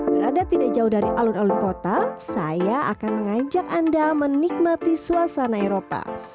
berada tidak jauh dari alun alun kota saya akan mengajak anda menikmati suasana eropa